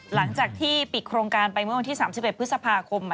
หลังจากที่ปิดโครงการไปเมื่อวันที่๓๑พฤษภาคม